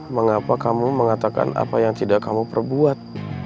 mengapa kamu mengatakan apa yang tidak kamu perbuat